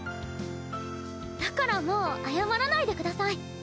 だからもう謝らないでください。